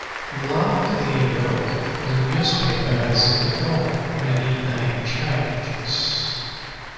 Like the yearbook, the newspaper has undergone many name changes.